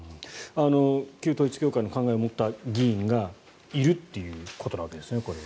旧統一教会の考えを持った議員がいるということですよね。